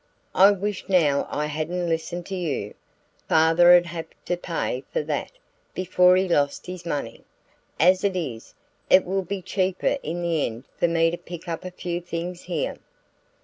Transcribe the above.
I wish now I hadn't listened to you father'd have had to pay for THAT before he lost his money. As it is, it will be cheaper in the end for me to pick up a few things here.